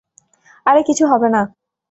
আরে কিছু হবে না।